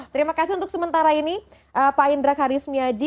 terima kasih untuk sementara ini pak indra karismiaji